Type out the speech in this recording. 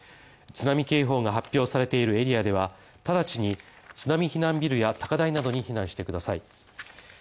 津波警報が発表されているエリアでは直ちに津波避難ビルや高台などに避難してください。